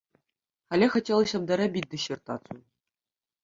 Але хацелася б дарабіць дысертацыю.